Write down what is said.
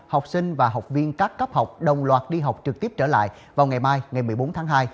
học sinh và học viên các cấp học đồng loạt đi học trực tiếp trở lại vào ngày mai ngày một mươi bốn tháng hai